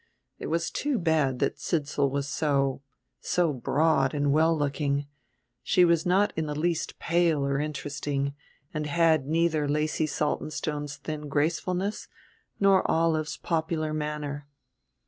It was too bad that Sidsall was so so broad and well looking; she was not in the least pale or interesting, and had neither Lacy's Saltonstone's thin gracefulness nor Olive's popular manner.